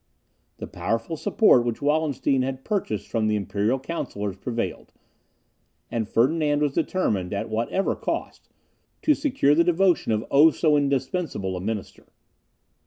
The powerful support which Wallenstein had purchased from the imperial councillors prevailed, and Ferdinand was determined, at whatever cost, to secure the devotion of so indispensable a minister.